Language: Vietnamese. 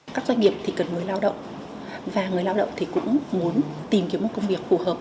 các doanh nghiệp thì cần người lao động và người lao động thì cũng muốn tìm kiếm một công việc phù hợp